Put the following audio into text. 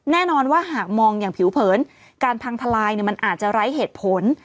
แน่นอนว่าหากมองอย่างผิวเผินการพังทลายมันอาจจะไร้เหตุผล